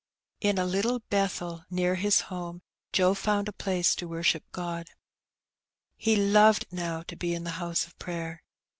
In a Uttle Bethel near his home Joe found a place to worship God. He loved now to be in the house of prayer.